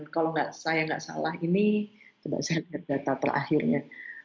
kalau saya nggak salah ini coba saya lihat data terakhirnya